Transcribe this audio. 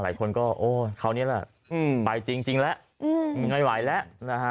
หลายคนก็โอ้ยคราวนี้แหละไปจริงแล้วไม่ไหวแล้วนะฮะ